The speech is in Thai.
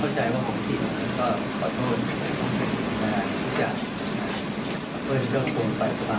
เพื่อนก็คงไปสบายกัน